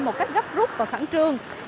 một cách gấp rút và khẳng trương